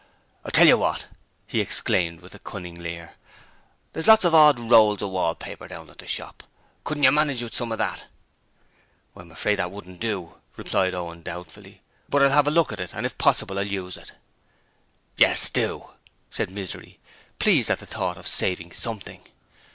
'I'll tell you what!' he exclaimed with a cunning leer, 'there's lots of odd rolls of wallpaper down at the shop. Couldn't you manage with some of that?' 'I'm afraid it wouldn't do,' replied Owen doubtfully, 'but I'll have a look at it and if possible I'll use it.' 'Yes, do!' said Misery, pleased at the thought of saving something.